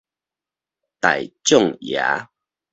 大眾爺